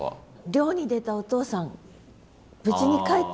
漁に出たお父さん無事に帰ってきて下さい。